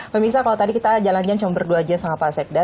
pemirsa kalau tadi kita jalan jalan cuma berdua aja sama pak sekda